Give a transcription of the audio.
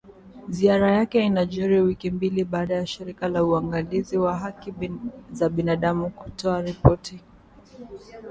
Ziara yake inajiri wiki mbili baada ya Shirika la Uangalizi wa Haki za Binadamu kutoa ripoti